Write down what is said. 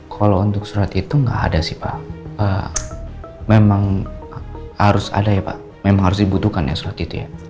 kalau untuk surat itu nggak ada sih pak memang harus ada ya pak memang harus dibutuhkan ya surat itu ya